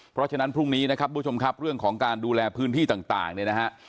เพราะฉะนั้นพรุ่งนี้นะครับทุกผู้ชมครับเรื่องของการดูแลพื้นที่ต่างเนี่ยนะฮะ